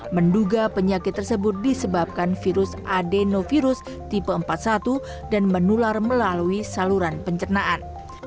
menduga penyakit tersebut disebabkan virus adenovirus tipe empat puluh satu dan menular melalui saluran pencernaan